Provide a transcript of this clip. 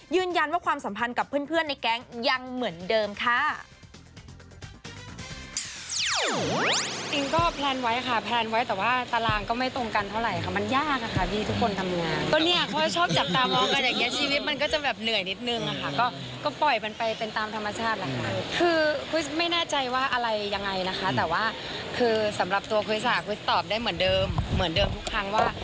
ยืนยันว่าความสัมพันธ์กับเพื่อนในแก๊งยังเหมือนเดิมค่ะ